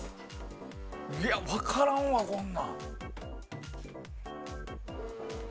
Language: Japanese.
分からんわ、こんなん。